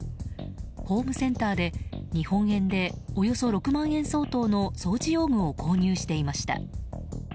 ホームセンターで日本円でおよそ６万円相当の掃除用具を購入していました。